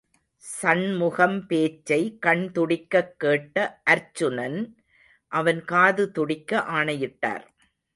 சண்முகம் பேச்சை, கண் துடிக்கக் கேட்ட அர்ச்சுனன், அவன் காது துடிக்க ஆணையிட்டார்.